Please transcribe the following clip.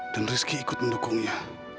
dan rizky ikut mendukungnya